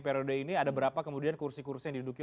periode ini ada berapa kemudian kursi kursi yang diduduki